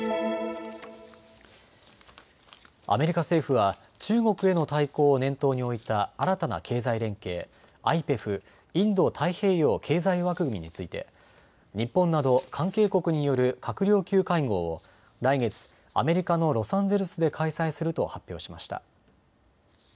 アメリカ政府は中国への対抗を念頭に置いた新たな経済連携、ＩＰＥＦ・インド太平洋経済枠組みについて日本など関係国による閣僚級会合を来月、アメリカのロサンゼルスで開催すると発表しました。